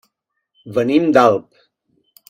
Venim d'Alp.